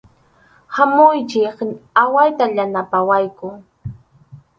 Hamuychik, awayta yanapawayku.